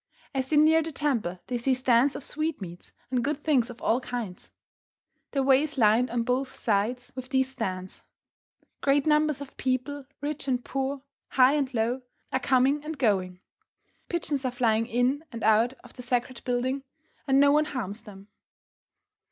As they near the temple they see stands of sweetmeats and good things of all kinds. The way is lined on both sides with these stands. Great numbers of people, rich and poor, high and low, are coming and going. Pigeons are flying in and out of the sacred building, and no one harms them.